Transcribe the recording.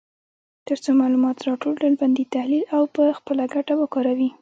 تر څو معلومات راټول، ډلبندي، تحلیل او په خپله ګټه وکاروي.